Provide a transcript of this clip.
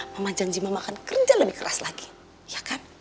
mama janji mama akan kerja lebih keras lagi ya kan